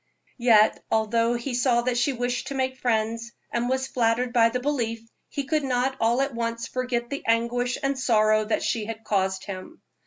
Yet, although he saw that she wished to make friends, and was flattered by the belief, he could not all at once forget the anguish and sorrow she had caused him.